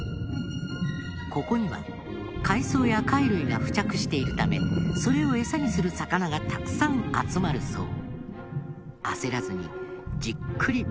ここには海藻や貝類が付着しているためそれをエサにする魚がたくさん集まるそう。